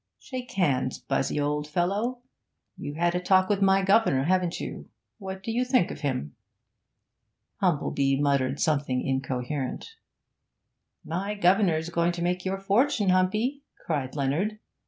Shake hands, Buzzy, old fellow! You've had a talk with my governor, haven't you? What do you think of him?' Humplebee muttered something incoherent. 'My governor's going to make your fortune, Humpy!' cried Leonard.